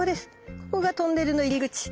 ここがトンネルの入り口。